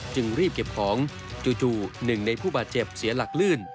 จึงรีบเก็บของจู่หนึ่งในผู้บาดเจ็บเสียหลักลื่น